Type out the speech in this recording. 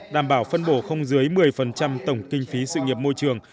đảm bảo phân bổ không dưới một mươi tổng kinh phí sự nghiệp môi trường